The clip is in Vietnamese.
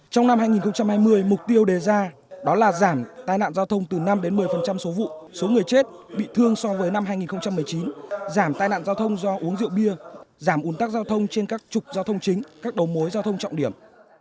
trong năm hai nghìn hai mươi mục tiêu đề ra đó là giảm tai nạn giao thông từ năm một mươi số vụ số người chết bị thương so với năm hai nghìn một mươi chín giảm tai nạn giao thông do uống rượu bia giảm ủn tắc giao thông trên các trục giao thông chính các đầu mối giao thông trọng điểm